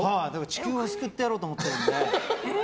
地球を救ってやろうと思ってるので。